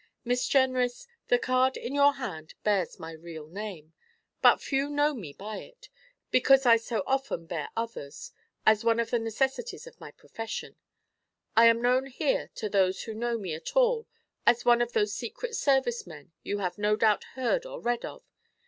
Miss Jenrys, the card in your hand bears my real name, but few know me by it, because I so often bear others, as one of the necessities of my profession. I am known here to those who know me at all as one of those secret service men you have no doubt heard or read of.